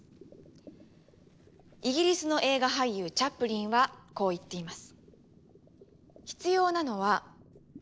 イギリスの映画俳優チャップリンはこう言っています。